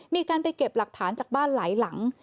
มีการไปเก็บหลักฐานจากบ้านหลายหลัง